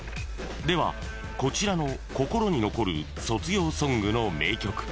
［ではこちらの心に残る卒業ソングの名曲］